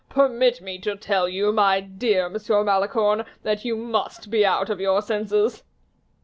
Permit me to tell you, my dear Monsieur de Malicorne, that you must be out of your senses."